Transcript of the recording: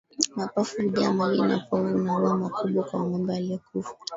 Mapafu hujaa maji na povu na huwa makubwa kwa ngombe aliyekufa